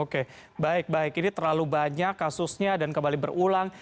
oke baik baik ini terlalu banyak kasusnya dan kembali berulang